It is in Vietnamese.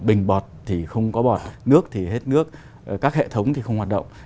bình bọt thì không có bọt nước thì hết nước các hệ thống thì không hoạt động